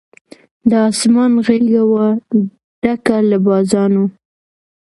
د آسمان غېږه وه ډکه له بازانو